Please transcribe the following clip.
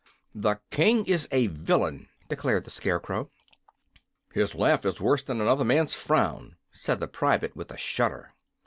"The King is a villain," declared the Scarecrow. "His laugh is worse than another man's frown," said the private, with a shudder.